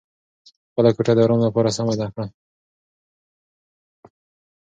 خپله کوټه د ارام لپاره سمه کړه.